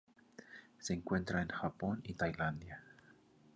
Se encuentra en Japón y Tailandia.